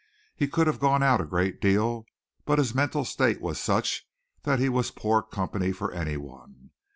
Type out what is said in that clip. He could have gone out a great deal, but his mental state was such that he was poor company for anyone.